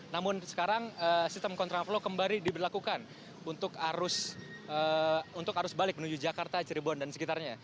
namun sekarang sistem kontraflow kembali diberlakukan untuk arus balik menuju jakarta cirebon dan sekitarnya